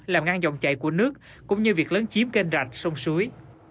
làm ngăn dòng chảy của nước cũng như việc lấn chiếm kênh rạch sông suối